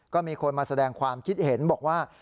ก็มีคนมาแสดงความคิดเห็นบอกว่า